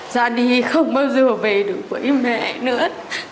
ra đi không bao giờ về được với mẹ nữa